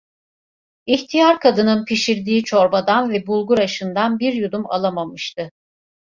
İhtiyar kadının pişirdiği çorbadan ve bulgur aşından bir yudum alamamıştı.